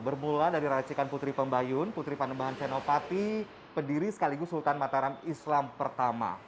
bermula dari racikan putri pembayun putri panembahan senopati pendiri sekaligus sultan mataram islam pertama